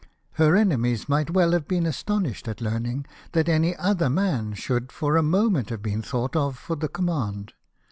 Her enemies might well have been astonished at learning that any other man should for a moment have been thought of for the command.